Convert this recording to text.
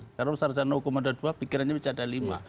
kalau sarjana hukum ada dua pikirannya bisa ada lima